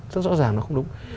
rất rõ ràng nó không đúng